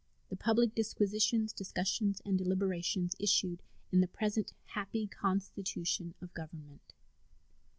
The public disquisitions, discussions, and deliberations issued in the present happy Constitution of Government.